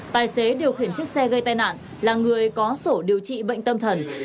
tài xế điều khiển chiếc xe gây tai nạn là người có sổ điều trị bệnh tâm thần